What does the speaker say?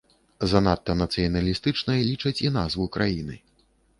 Занадта нацыяналістычнай лічаць і назву краіны.